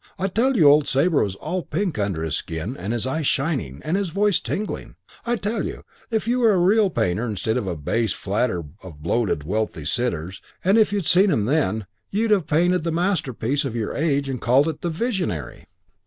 I tell you, old Sabre was all pink under his skin, and his eyes shining, and his voice tingling. I tell you, if you were a real painter instead of a base flatterer of bloated and wealthy sitters, and if you'd seen him then, you'd have painted the masterpiece of your age and called it The Visionary.